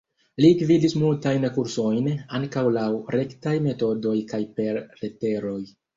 Li gvidis multajn kursojn, ankaŭ laŭ rektaj metodoj kaj per leteroj.